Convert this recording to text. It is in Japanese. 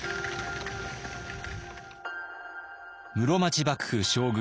室町幕府将軍